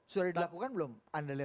sudah dilakukan belum anda lihat